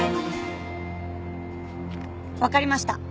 わかりました。